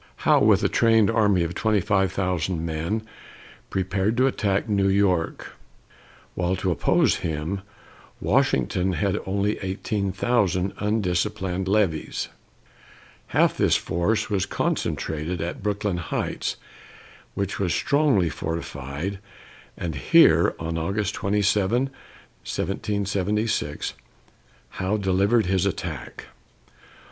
Howe, with a trained army of twenty five thousand men, prepared to attack New York, while, to oppose him, Washington had only eighteen thousand undisciplined levies. Half this force was concentrated at Brooklyn Heights, which was strongly fortified, and here, on August 27, 1776, Howe delivered his attack.